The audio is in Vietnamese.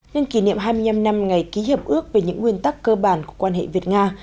nhân kỷ niệm hai mươi năm năm ngày ký hiệp ước về những nguyên tắc cơ bản của quan hệ việt nga